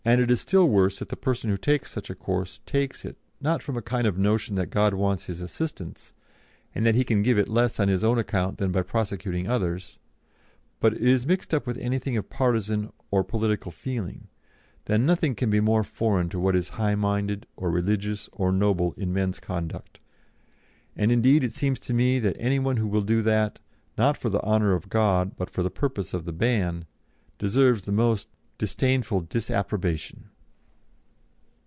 It is still worse if the person who takes such a course takes it, not from a kind of notion that God wants his assistance, and that he can give it less on his own account than by prosecuting others but it is mixed up with anything of partisan or political feeling, then nothing can be more foreign to what is high minded, or religious, or noble, in men's conduct; and indeed, it seems to me that any one who will do that, not for the honour of God but for the purpose of the ban, deserves the most disdainful disapprobation."